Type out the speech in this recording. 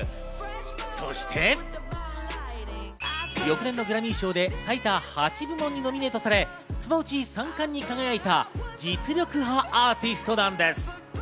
そして、翌年のグラミー賞で最多８部門にノミネートされ、そのうち三冠に輝いた実力派アーティストです。